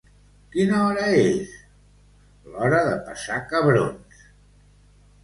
—Quina hora és? —L'hora de passar cabrons.